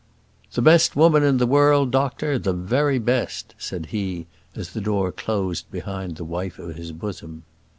"The best woman in the world, doctor; the very best," said he, as the door closed behind the wife of his bosom.